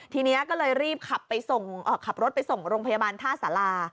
ทีนี้ก็เลยรีบขับรถไปส่งโรงพยาบาลท่าสารา